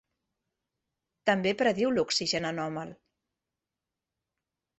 També prediu l'oxigen anòmal.